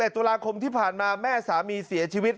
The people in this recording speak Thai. ตุลาคมที่ผ่านมาแม่สามีเสียชีวิต